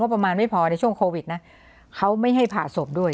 ประมาณไม่พอในช่วงโควิดนะเขาไม่ให้ผ่าศพด้วย